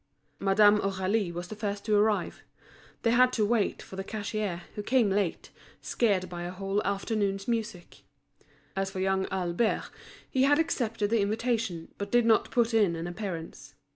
Madame Aurélie was the first to arrive; they had to wait for the cashier, who came late, scared by a whole afternoon's music: as for young Albert, he had accepted the invitation, but did not put in an appearance.